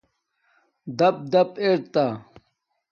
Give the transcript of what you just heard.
رَپ راپ ارتا